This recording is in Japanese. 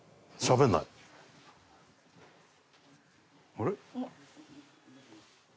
あれ？